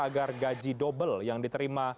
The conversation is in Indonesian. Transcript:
agar gaji double yang diterima